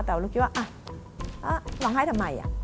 แต่เราก็คิดว่าอะร้องไห้ทำไมอะ